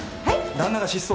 旦那が失踪？